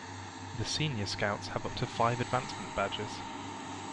The Senior Scout's have up to five advancement badges.